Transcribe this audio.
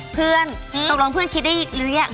เพื่อนตกลงเธอคิดได้ไหม